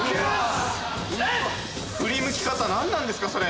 振り向き方何なんですか！？